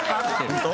本当？